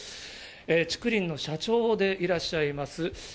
竹りんの社長でいらっしゃいます